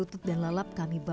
masalah saya sendiri ya